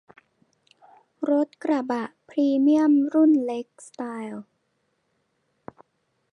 รถกระบะพรีเมียมรุ่นเล็กสไตล์